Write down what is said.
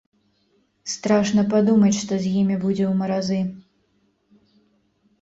Страшна падумаць, што з імі будзе ў маразы.